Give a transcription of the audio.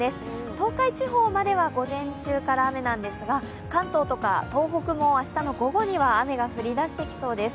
東海地方までは午前中から雨なんですが関東とか東北も明日の午後には雨が降り出してきそうです。